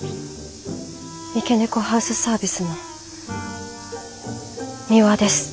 三毛猫ハウスサービスのミワです。